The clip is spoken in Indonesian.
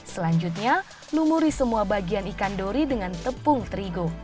selanjutnya lumuri semua bagian ikan dori dengan tepung terigu